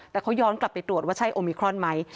แต่เขาย้อนกลับไปตรวจว่าใช่โอมิครอนไหม